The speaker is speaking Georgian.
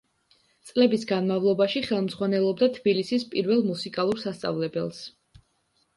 წლების განმავლობაში ხელმძღვანელობდა თბილისის პირველ მუსიკალურ სასწავლებელს.